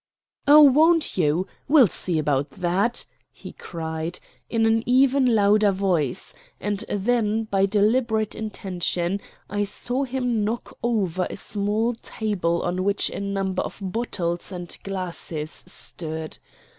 "Oh, won't you? We'll see about that," he cried, in an even louder voice; and then by deliberate intention I saw him knock over a small table on which a number of bottles and glasses stood.